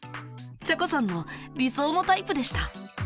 ちゃこさんの理想のタイプでした。